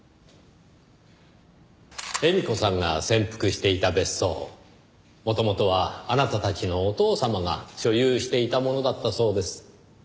絵美子さんが潜伏していた別荘元々はあなたたちのお父様が所有していたものだったそうです。